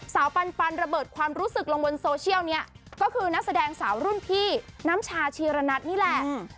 ปันระเบิดความรู้สึกลงบนโซเชียลเนี่ยก็คือนักแสดงสาวรุ่นพี่น้ำชาชีระนัทนี่แหละ